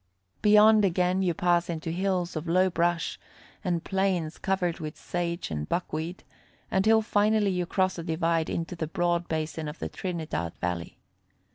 Beyond again you pass into hills of low brush, and plains covered with sage and buckweed, until finally you cross a divide into the broad basin of the Trinidad Valley.